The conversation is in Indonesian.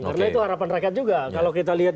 karena itu harapan rakyat juga kalau kita lihat